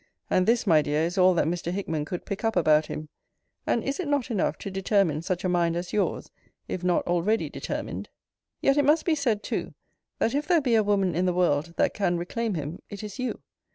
And this, my dear, is all that Mr. Hickman could pick up about him: And is it not enough to determine such a mind as yours, if not already determined? Yet it must be said too, that if there be a woman in the world that can reclaim him, it is you.